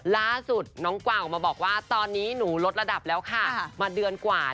ล่าสุดน้องกวางออกมาบอกว่าตอนนี้หนูลดระดับแล้วค่ะมาเดือนกว่า